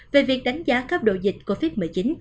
về việc đánh giá cấp độ dịch covid một mươi chín